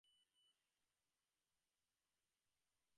যজ্ঞনাথ মন্দিরের মধ্য হইতে একখণ্ড পাথর উঠাইয়া ফেলিলেন।